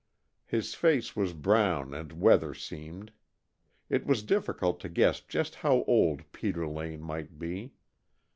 His face was brown and weather seamed. It was difficult to guess just how old Peter Lane might be.